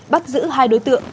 bắt giữ hai đối tượng